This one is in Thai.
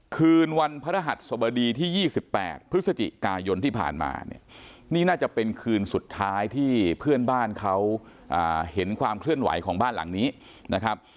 คืนวันพระรหัสสบดีที่๒๘พฤศจิกายนที่ผ่านมาเนี่ยนี่น่าจะเป็นคืนสุดท้ายที่เพื่อนบ้านเขาเห็นความเคลื่อนไหวของบ้านหลังนี้นะครับ